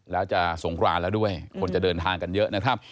แล้วจะสงครานแล้วด้วยคนจะเดินทางกันเยอะนะครับ